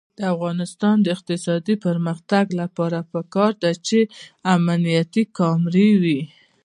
د افغانستان د اقتصادي پرمختګ لپاره پکار ده چې امنیتي کامرې وي.